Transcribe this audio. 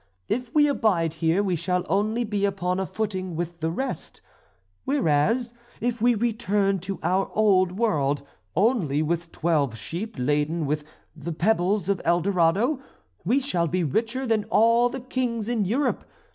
If we abide here we shall only be upon a footing with the rest, whereas, if we return to our old world, only with twelve sheep laden with the pebbles of El Dorado, we shall be richer than all the kings in Europe.